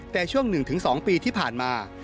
แต่ช่วง๑๒ปีที่ผ่านมา